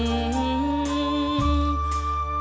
สูญสิ้นความหวัง